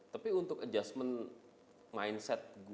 tapi untuk adjustment mindset